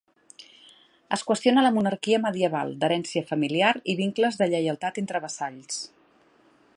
Es qüestiona la monarquia medieval, d'herència familiar i vincles de lleialtat entre vassalls.